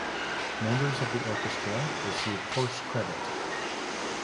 Members of the orchestra receive course credit.